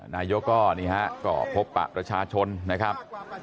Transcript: นายกก็นี่ฮะก็พบปะประชาชนนะครับ